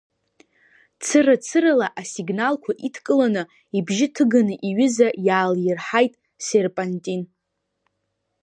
Цыра-цырала асигналқәа идкыланы, ибжьы ҭыганы иҩыза иаалирҳаит Серпантин.